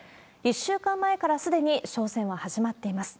１週間前からすでに商戦は始まっています。